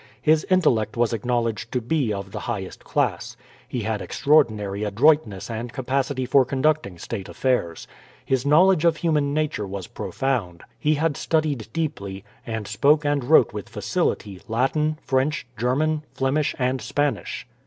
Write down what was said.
His intellect was acknowledged to be of the highest class. He had extraordinary adroitness and capacity for conducting state affairs. His knowledge of human nature was profound. He had studied deeply, and spoke and wrote with facility Latin, French, German, Flemish, and Spanish.